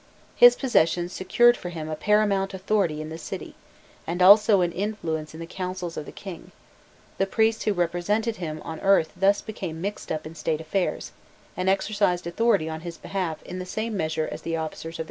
His possessions secured for him a paramount authority in the city, and also an influence in the councils of the king: the priests who represented him on earth thus became mixed up in State affairs, and exercised authority on his behalf in the same measure as the officers of the crown.